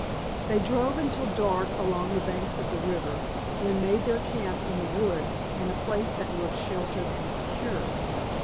They drove until dark along the banks of the river, then made their camp in the woods in a place that looked sheltered and secure.